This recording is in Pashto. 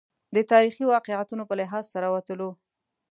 د تاریخي واقعیتونو په لحاظ سره وتلو.